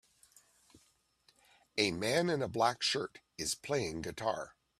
A man in a black shirt is playing guitar